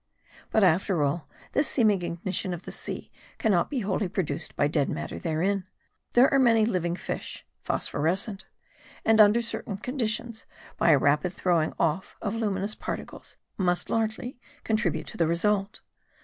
But after all, this seeming ignition of the sea can not be wholly produced by dead matter therein. There are many living fish, phosphorescent ; and, undej certain conditions, by a rapid throwing oft' of luminous particles must largely contribute to the result.